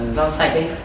rau sạch ấy